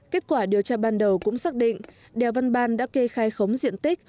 kết quả điều tra ban đầu cũng xác định đèo văn ban đã kê khai khống diện tích